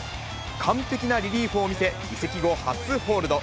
完璧なリリーフを見せ、移籍後、初ホールド。